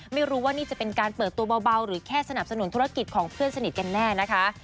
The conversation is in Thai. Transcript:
ไม่รู้ว่านี่จะเป็นการเปิดตัวเบาหรือแค่สนับสนุนธุรกิจของเพื่อนสนิทกันแน่นะคะ